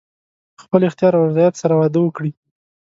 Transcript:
په خپل اختیار او رضایت سره واده وکړي.